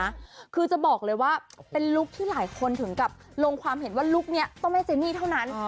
คือจะบอกเลยว่าเป็นลุคที่หลายคนถึงกับลงความเห็นว่าลุคนี้ต้องแม่เจนี่เท่านั้น